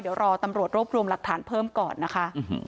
เดี๋ยวรอตำรวจรวบรวมหลักฐานเพิ่มก่อนนะคะ